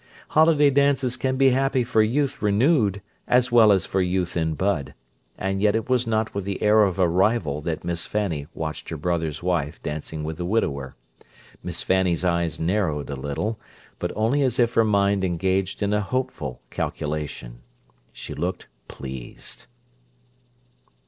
Holiday dances can be happy for youth renewed as well as for youth in bud—and yet it was not with the air of a rival that Miss Fanny watched her brother's wife dancing with the widower. Miss Fanny's eyes narrowed a little, but only as if her mind engaged in a hopeful calculation. She looked pleased.